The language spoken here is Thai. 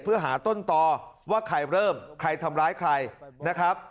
เพื่อหาต้นต่อว่าใครเริ่มใครทำร้ายใครนะครับ